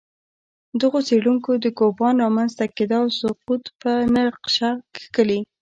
دغو څېړونکو د کوپان رامنځته کېدا او سقوط په نقشه کښلي